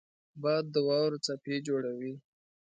باد د واورو څپې جوړوي